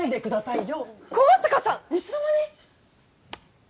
いつの間に？